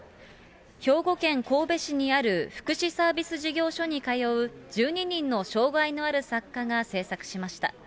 兵庫県神戸市にある福祉サービス事業所に通う１２人の障害のある作家が制作しました。